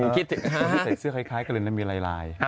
ที่เขาเสื้อคล้ายคล้ายก็เลยมีลาย